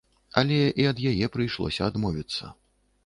Але і ад яе прыйшлося адмовіцца.